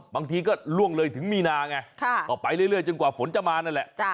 บางทีก็ล่วงเลยถึงมีนาไงก็ไปเรื่อยจนกว่าฝนจะมานั่นแหละ